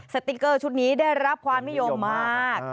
สติ๊กเกอร์ชุดนี้ได้รับความนิยมมาก